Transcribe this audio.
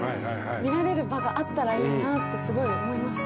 見られる場があったらいいなってすごい思いました。